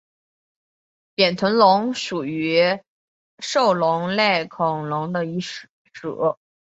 扁臀龙属是禽龙类恐龙的一属。